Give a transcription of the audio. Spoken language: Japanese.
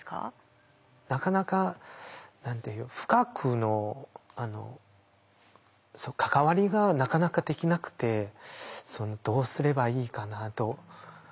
なかなか深くの関わりがなかなかできなくてどうすればいいかなと思って。